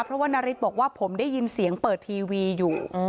เพราะว่านาริสบอกว่าผมได้ยินเสียงเปิดทีวีอยู่